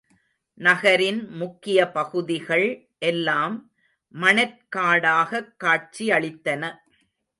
நகரின் முக்கிய பகுதிகள் எல்லாம் மணற்காடாகக் காட்சியளித்தன.